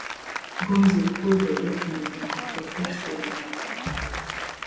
Gonzi called the document unprofessional.